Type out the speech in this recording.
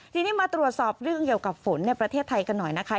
ทีนี้มาตรวจสอบเรื่องเกี่ยวกับฝนในประเทศไทยกันหน่อยนะคะ